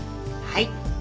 はい。